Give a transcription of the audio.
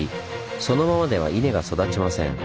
そのままでは稲が育ちません。